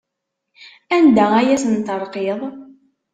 Anda ay asen-terqiḍ?